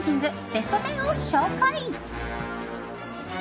ベスト１０を紹介！